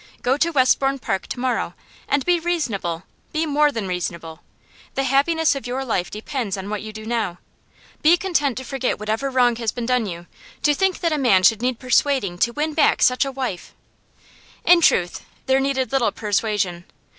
Go to Westbourne Park to morrow. And be reasonable; be more than reasonable. The happiness of your life depends on what you do now. Be content to forget whatever wrong has been done you. To think that a man should need persuading to win back such a wife!' In truth, there needed little persuasion.